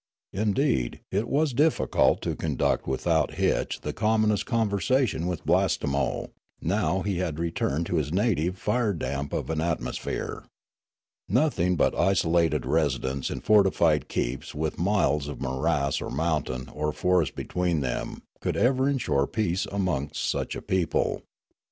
Indeed, it was difficult to conduct without hitch the commonest conversation with Blastemo, now he had returned to his native fire damp of an atmosphere. Nothing but isolated residence in fortified keeps with miles of morass or mountain or forest between them could ever insure peace amongst such a people.